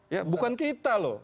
ya bukan kita loh